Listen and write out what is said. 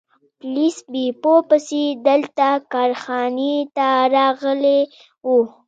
پولیس بیپو پسې دلته کارخانې ته راغلي وو.